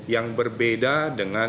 yang berbeda dengan